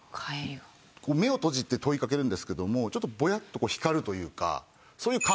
目を閉じて問いかけるんですけどもちょっとぼやっとこう光るというか。